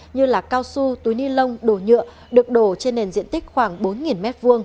như cao su túi ni lông đồ nhựa được đổ trên nền diện tích khoảng bốn m hai